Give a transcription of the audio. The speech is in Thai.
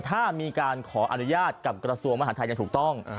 ถ้ามีการขออนุญาตกับกระทรวงมหาทัยอย่างถูกต้อง